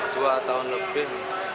dua tahun lebih